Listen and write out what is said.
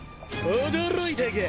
驚いたか？